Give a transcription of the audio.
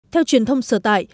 theo truyền thông sở tại